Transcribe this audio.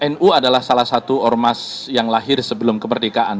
nu adalah salah satu ormas yang lahir sebelum kemerdekaan